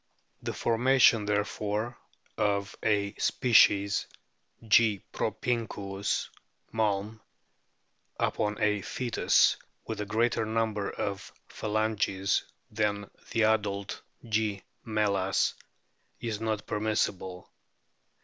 The formation therefore of a species (G. propinquus, Malm) upon a fcetus with a greater number of phalanges than the adult G. me/as is not permissible.